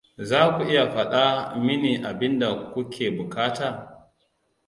Za ku iya faɗa miniabinda ku ke bukata?